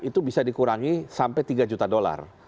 itu bisa dikurangi sampai tiga juta dolar